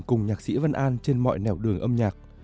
cùng nhạc sĩ văn an trên mọi nẻo đường âm nhạc